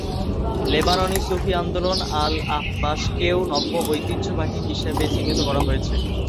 লেবাননীয় সুফি আন্দোলন আল-আহবাশকেও নব্য-ঐতিহ্যবাদী হিসেবে চিহ্নিত করা হয়েছে।